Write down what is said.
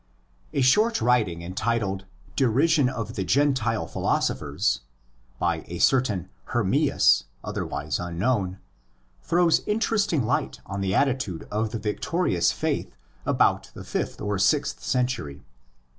A short writing entitled Derision of the Gentile Philosophers (Διασυρμὸς τῶν ἔξω φιλοσόφων), by a certain Hermias otherwise unknown, throws inter esting light on the attitude of the victorious faith about the fifth or sixth century.